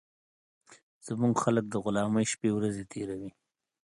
زموږ خلک د غلامۍ شپې ورځي تېروي